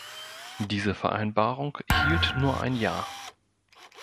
Diese Vereinbarung hielt nur ein Jahr.